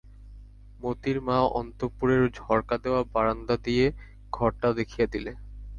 মোতির মা অন্তঃপুরের ঝরকা-দেওয়া বারান্দা দিয়ে ঘরটা দেখিয়ে দিলে।